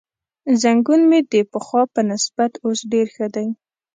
زنګون مې د پخوا په نسبت اوس ډېر ښه دی.